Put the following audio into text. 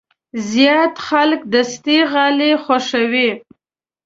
زیات خلک دستي غالۍ خوښوي.